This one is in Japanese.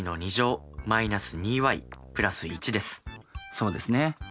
そうですね。